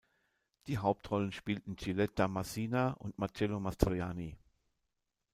Die Hauptrollen spielten Giulietta Masina und Marcello Mastroianni.